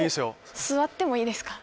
座ってもいいですか？